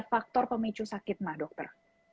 faktor pemicu sakit mah dokter